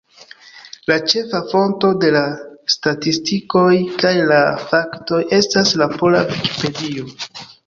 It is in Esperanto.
La ĉefa fonto de la statistikoj kaj la faktoj estas la pola Vikipedio.